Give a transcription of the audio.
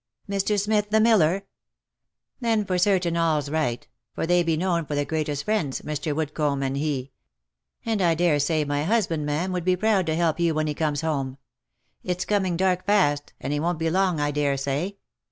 "" Mr. Smith, the miller ? Then for certain all's right — for they be known for the greatest of friends, Mr. Woodcomb and he — and I dare say my husband, ma'am, would be proud to help you when he comes home. It's coming dark fast, and he won't be long I dare say."